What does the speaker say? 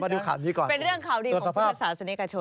เป็นเรื่องข่าวดีของพุทธศาสนิกชน